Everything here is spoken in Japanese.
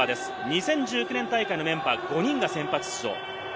２０１９年大会のメンバー５人が先発出場です。